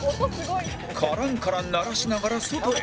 カランカラン鳴らしながら外へ